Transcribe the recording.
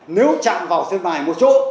nếu chạm vào trên mài một chỗ